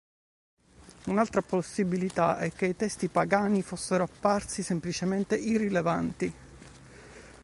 Un'altra possibilità è che i testi pagani fossero apparsi semplicemente irrilevanti.